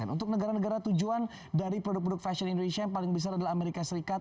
untuk negara negara tujuan dari produk produk fashion indonesia yang paling besar adalah amerika serikat